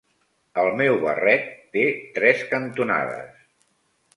El meu barret té tres cantonades.